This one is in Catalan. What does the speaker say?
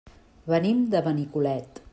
Venim de Benicolet.